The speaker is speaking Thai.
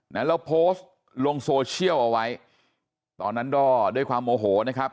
แล้วโพสต์ลงโซเชียลเอาไว้ตอนนั้นก็ด้วยความโมโหนะครับ